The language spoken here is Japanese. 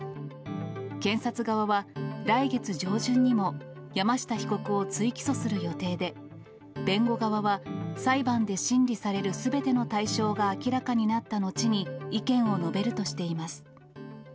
検察側は、来月上旬にも山下被告を追起訴する予定で、弁護側は、裁判で審理されるすべての対象が明らかになった後に意見を述べるとしています。